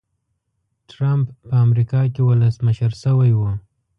ټرمپ په امریکا کې ولسمشر شوی و.